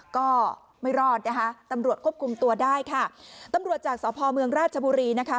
ก็ไม่รอดนะคะตำรวจควบคุมตัวได้ค่ะตำรวจจากสพเมืองราชบุรีนะคะ